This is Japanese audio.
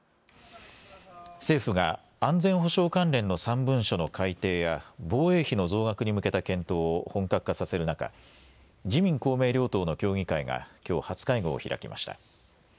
政府が安全保障関連の３文書の改定や防衛費の増額に向けた検討を本格化させる中、自民公明両党の協議会がきょう初会合を開きました。